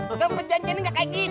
kita berjanjian gak kayak gitu